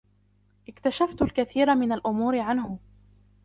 اكتشفت الكثير من الأمور عنه.